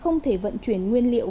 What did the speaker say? không thể vận chuyển nguyên liệu